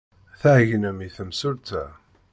Tɛeyynem i temsulta.